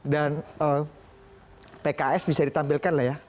dan pks bisa ditampilkan lah ya